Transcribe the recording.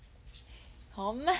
ほんま。